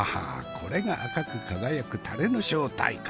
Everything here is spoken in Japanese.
これが赤く輝くタレの正体か。